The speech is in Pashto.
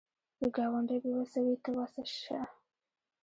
که ګاونډی بې وسه وي، ته وس شه